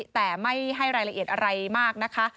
แต่ไม่ให้รายละเอียดอะไรมากนะคะ